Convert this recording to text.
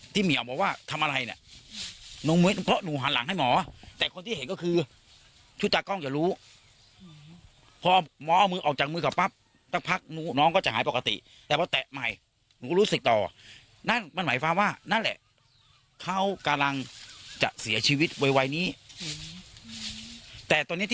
ที่หมีออกมาว่าทำอะไรเนี่ย